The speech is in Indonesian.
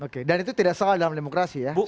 oke dan itu tidak salah dalam demokrasi ya